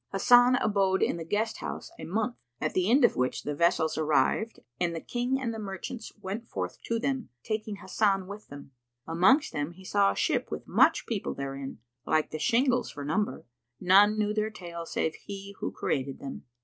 Hasan abode in the guest house a month, at the end of which the vessels arrived and the King and the merchants went forth to them, taking Hasan with them. Amongst them he saw a ship with much people therein, like the shingles for number; none knew their tale save He who created them.